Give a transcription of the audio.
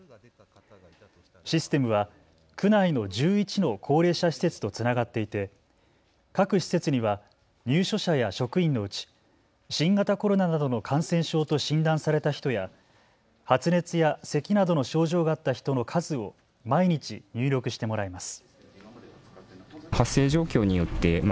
システムは区内の１１の高齢者施設とつながっていて各施設には入所者や職員のうち新型コロナなどの感染症と診断された人や発熱やせきなどの症状があった人の数を毎日、入力してもらいます。